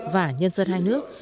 và nhân dân hai nước